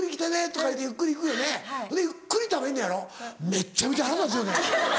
めっちゃめちゃ腹立つよね。